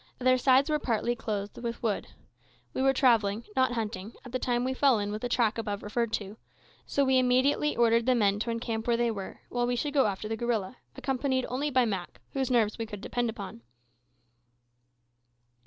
Their sides were partly clothed with wood. We were travelling not hunting at the time we fell in with the track above referred to, so we immediately ordered the men to encamp where they were, while we should go after the gorilla, accompanied only by Mak, whose nerves we could depend on.